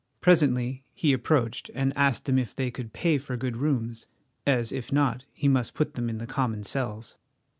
Presently he approached and asked them if they could pay for good rooms, as if not he must put them in the common cells.